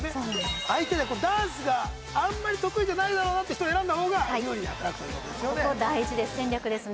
相手がダンスがあんまり得意じゃないだろうなって人を選んだ方が有利に働くということですよね